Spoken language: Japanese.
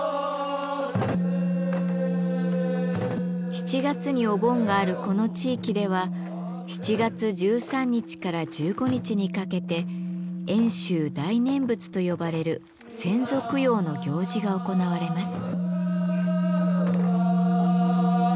７月にお盆があるこの地域では７月１３日から１５日にかけて遠州大念仏と呼ばれる先祖供養の行事が行われます。